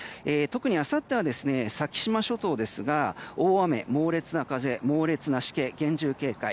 特にあさっては先島諸島ですが大雨、猛烈な風、猛烈なしけ厳重警戒。